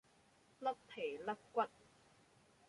甩皮甩骨